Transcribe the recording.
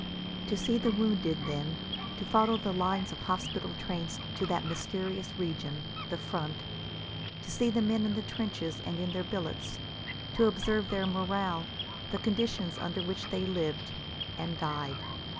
To see the wounded, then; to follow the lines of hospital trains to that mysterious region, the front; to see the men in the trenches and in their billets; to observe their morale, the conditions under which they lived and died.